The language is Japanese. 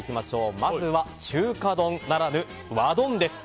まずは中華丼ならぬ和丼です。